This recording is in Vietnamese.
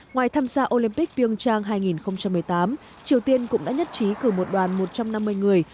ngoài tham gia olympic ping trang hai nghìn một mươi tám triều tiên cũng đã nhất trí cử một đoàn một trăm năm mươi người